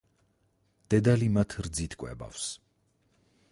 დედალი მათ რძით კვებავს.